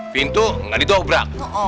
bintu gak didobrak